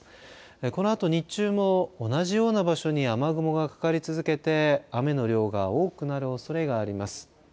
このあと、日中も同じような場所に雨雲がかかり続けて雨の量が多くなるおそれがあります。